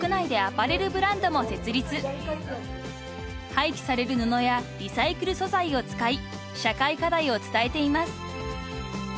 ［廃棄される布やリサイクル素材を使い社会課題を伝えています］